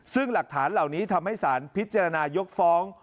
ซึ่งหลักฐานเหล่านี้ทำให้สารพิจารณายกฟ้อง